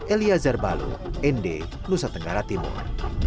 elia zarbalu nd nusa tenggara timur